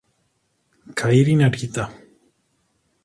Kairi Narita